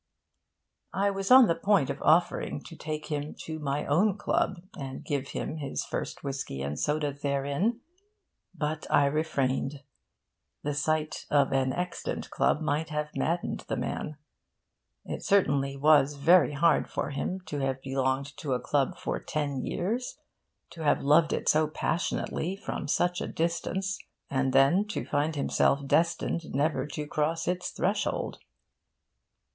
I was on the point of offering to take him to my own club and give him his first whisky and soda therein. But I refrained. The sight of an extant club might have maddened the man. It certainly was very hard for him, to have belonged to a club for ten years, to have loved it so passionately from such a distance, and then to find himself destined never to cross its threshold.